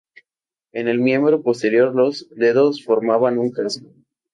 En el miembro posterior los dedos formaban un casco.